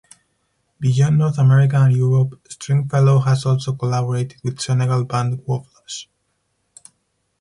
Beyond North America and Europe, Stringfellow has also collaborated with Senegal band Waflash.